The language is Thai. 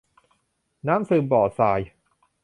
น้ำซึมบ่อทราย